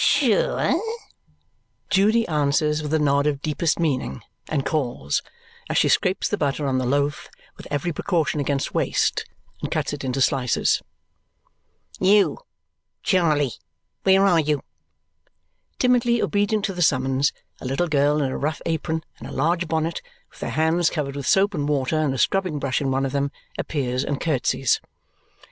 "Sure?" Judy answers with a nod of deepest meaning and calls, as she scrapes the butter on the loaf with every precaution against waste and cuts it into slices, "You, Charley, where are you?" Timidly obedient to the summons, a little girl in a rough apron and a large bonnet, with her hands covered with soap and water and a scrubbing brush in one of them, appears, and curtsys.